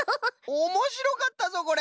おもしろかったぞこれ。